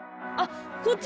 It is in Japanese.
あっ！